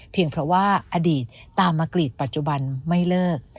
เพราะว่าอดีตตามมากรีดปัจจุบันไม่เลิก